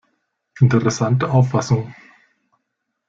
Interessante Auffassung.